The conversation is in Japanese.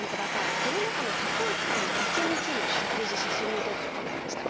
コロナ禍の竹内さんの一日の食事写真に撮ってもらいました。